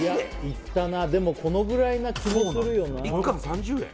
いったなでもこのぐらいな気もするよな１貫３０円？